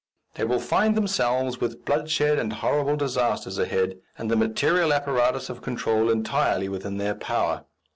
They will find themselves with bloodshed and horrible disasters ahead, and the material apparatus of control entirely within their power.